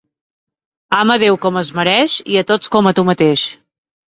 Ama Déu com es mereix i a tots com a tu mateix.